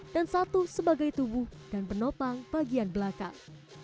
dan satu sebagai tubuh dan penopang bagian belakang